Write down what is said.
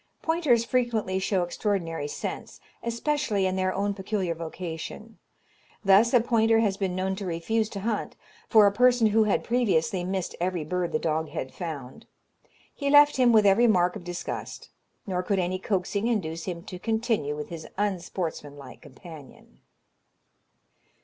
Pointers frequently show extraordinary sense, especially in their own peculiar vocation. Thus a pointer has been known to refuse to hunt for a person who had previously missed every bird the dog had found. He left him with every mark of disgust, nor could any coaxing induce him to continue with his unsportsman like companion.